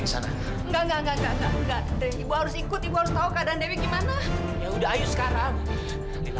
nggak ada dewi